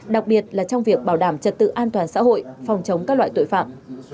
đặc biệt là trong việc bảo đảm trật tự an toàn xã hội phòng chống các loại tội phạm